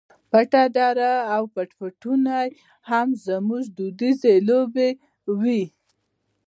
پټه دره او پټ پټونی یې هم زموږ دودیزې لوبې وې.